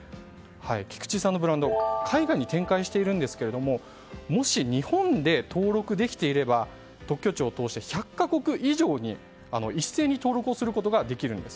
菊地さんのブランド海外に展開しているんですがもし日本で登録できていれば特許庁を通して１００か国以上に一斉に登録することができるんです。